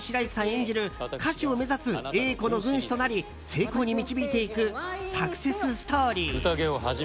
演じる歌手を目指す英子の軍師となり成功に導いていくサクセスストーリー。